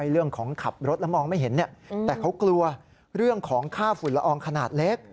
เรื่องของขับรถแล้วมองไม่เห็นแต่เขากลัวเรื่องของค่าฝุ่นละอองขนาดเล็ก